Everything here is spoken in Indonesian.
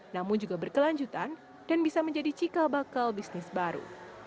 namun juga berkelanjutan dan bisa menjadi cikal bakal bisnis baru